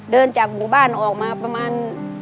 เดินจากหมู่บ้านออกมาประมาณ